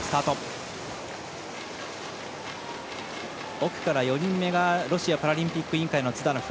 奥から４人目はロシアパラリンピック委員会のズダノフ。